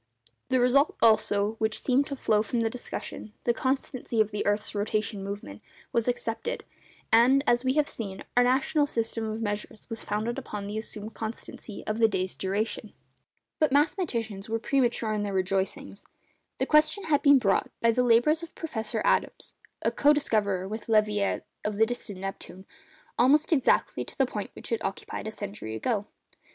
The result, also, which seemed to flow from the discussion—the constancy of the earth's rotation movement—was accepted; and, as we have seen, our national system of measures was founded upon the assumed constancy of the day's duration. But mathematicians were premature in their rejoicings. The question has been brought, by the labours of Professor Adams—co discoverer with Leverrier of the distant Neptune—almost exactly to the point which it occupied a century ago.